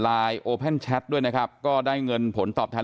ถ้าวันหมุนไม่ทันมันก็ได้ช้า